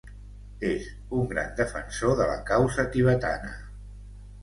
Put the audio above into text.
És un gran defensor de la causa tibetana.